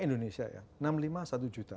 indonesia ya enam puluh lima satu juta